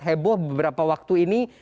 heboh beberapa waktu ini